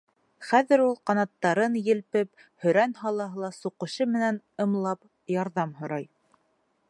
Хәҙер ул, ҡанаттарын елпеп, һөрән һала-һала, суҡышы менән ымлап, ярҙам һорай.